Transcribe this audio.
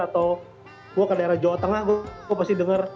atau gue ke daerah jawa tengah gue pasti dengar